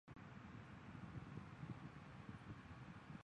根据牛顿第二定律做曲线运动的物体在其运动轨迹的切向均受力。